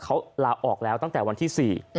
เขาลาออกแล้วตั้งแต่วันที่๔